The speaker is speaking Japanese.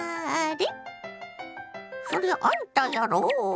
そりゃあんたやろ。